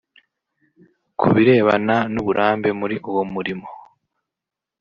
Ku birebana n’uburambe muri uwo murimo